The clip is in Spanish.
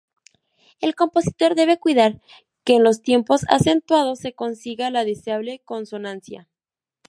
El compositor debe cuidar que en los tiempos acentuados se consiga la deseable consonancia.